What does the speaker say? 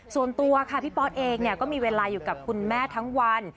ส่วนตัวค่ะพี่ป๊อตเองก็มีเวลาอยู่กับคุณแม่ทั้งวัน